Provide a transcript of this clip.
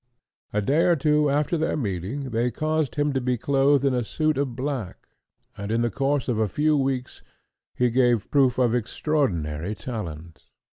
A day or two after their meeting, they caused him to be clothed in a suit of black; and, in the course of a few weeks, he gave proof of extraordinary talent.